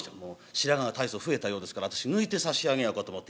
「白髪が大層増えたようですから私抜いてさしあげようかと思って」。